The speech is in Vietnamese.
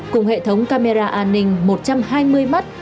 cùng hệ thống camera an ninh một trăm hai mươi mắt